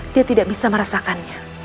dia tidak bisa merasakannya